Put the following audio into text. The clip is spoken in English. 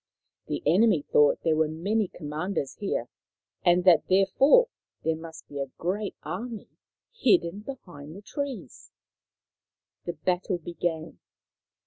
The enemy thought there were many commanders here, and that therefore there must be a great army hidden behind the trees. The battle began.